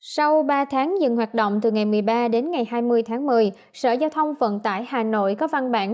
sau ba tháng dừng hoạt động từ ngày một mươi ba đến ngày hai mươi tháng một mươi sở giao thông vận tải hà nội có văn bản